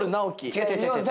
違う違う違う違う。